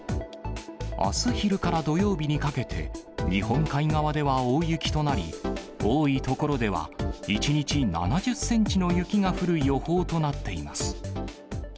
あす昼から土曜日にかけて、日本海側では大雪となり、多い所では１日７０センチの雪が降る予報となっています。